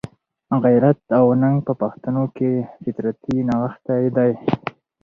غیرت او ننګ په پښتنو کښي فطرتي نغښتی دئ.